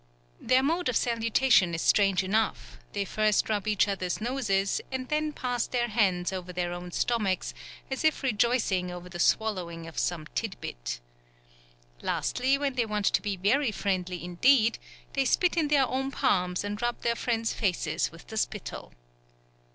Their mode of salutation is strange enough, they first rub each other's noses and then pass their hands over their own stomachs as if rejoicing over the swallowing of some tid bit. Lastly, when they want to be very friendly indeed, they spit in their own palms and rub their friends' faces with the spittle.